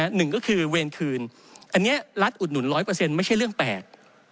หนึ่งก็คือเวรคืนอันนี้รัฐอุดหนุน๑๐๐ไม่ใช่เรื่องแปลก